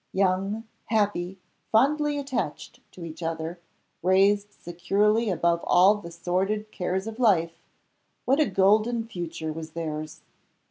Young, happy, fondly attached to each other, raised securely above all the sordid cares of life, what a golden future was theirs!